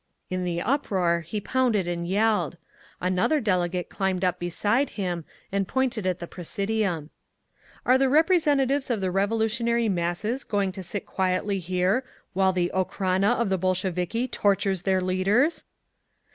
In the uproar he pounded and yelled. Another delegate climbed up beside him, and pointed at the presidium. "Are the representatives of the revolutionary masses going to sit quietly here while the Okhrana of the Bolsheviki tortures their leaders?"